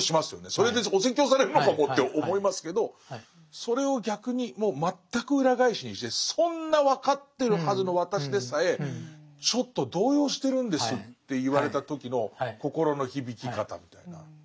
それでお説教されるのかもって思いますけどそれを逆にもう全く裏返しにしてそんな分かってるはずの私でさえちょっと動揺してるんですって言われた時の心の響き方みたいな。